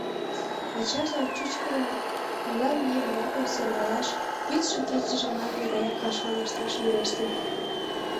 Ачажлан чӱчкыдынак улан еҥ-влакым сӧрвалаш, йӱдшӧ-кечыже манме гаяк пашам ышташ верештын.